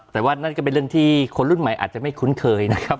แต่ว่านั่นก็เป็นเรื่องที่คนรุ่นใหม่อาจจะไม่คุ้นเคยนะครับ